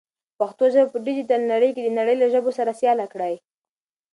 پښتو ژبه په ډیجیټل نړۍ کې د نړۍ له ژبو سره سیاله کړئ.